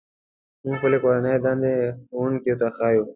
موږ خپلې کورنۍ دندې ښوونکي ته ښيو.